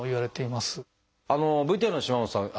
ＶＴＲの島本さん